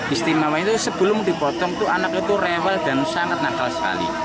istimewa itu sebelum dipotong itu anak itu rewel dan sangat nakal sekali